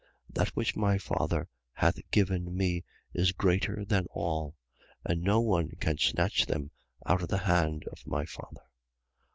10:29. That which my Father hath given me is greater than all: and no one can snatch them out of the hand of my Father.